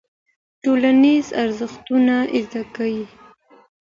ټولنيز ارزښتونه زده کيږي.